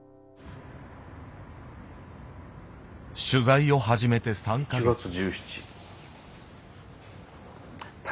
取材を始めて３か月。